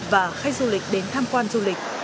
và khách du lịch đến tham quan du lịch